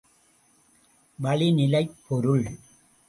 வளி நிலைப் பொருள்.